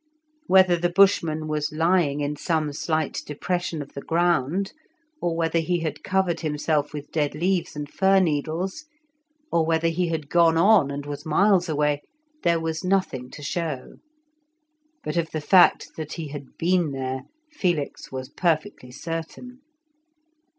Whether the Bushman was lying in some slight depression of the ground, or whether he had covered himself with dead leaves and fir needles, or whether he had gone on and was miles away, there was nothing to show. But of the fact that he had been there Felix was perfectly certain.